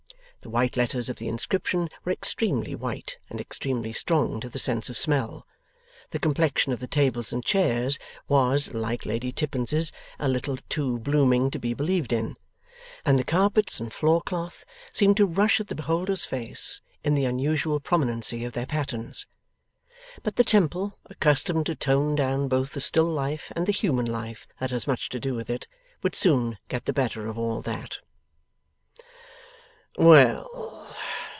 The white letters of the inscription were extremely white and extremely strong to the sense of smell, the complexion of the tables and chairs was (like Lady Tippins's) a little too blooming to be believed in, and the carpets and floorcloth seemed to rush at the beholder's face in the unusual prominency of their patterns. But the Temple, accustomed to tone down both the still life and the human life that has much to do with it, would soon get the better of all that. 'Well!